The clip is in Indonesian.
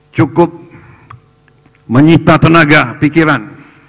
cukup menyita tenaga pikiran